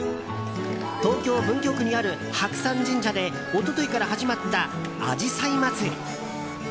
東京・文京区にある白山神社で一昨日から始まったあじさいまつり。